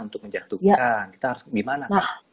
untuk menjatuhkan kita harus gimana